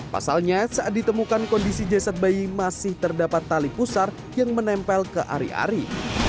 pasalnya saat ditemukan kondisi jasad bayi masih terdapat tali pusar yang menempel ke ari ari